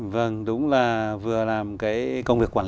vâng đúng là vừa làm công việc quốc tế